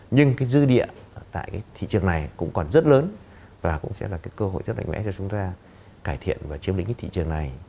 nhưng cái dư địa tại cái thị trường này cũng còn rất lớn và cũng sẽ là cái cơ hội rất mạnh mẽ cho chúng ta cải thiện và chiếm lĩnh cái thị trường này